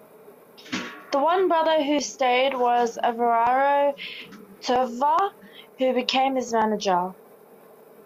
The one brother who stayed was Everardo Tovar who became his manager.